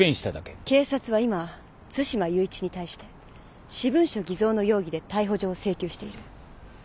警察は今津島雄一に対して私文書偽造の容疑で逮捕状を請求している。